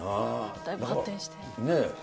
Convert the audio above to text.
だいぶ発展して。